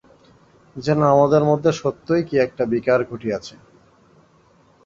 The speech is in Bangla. যেন আমাদের মধ্যে সত্যই কী একটা বিকার ঘটিয়াছে।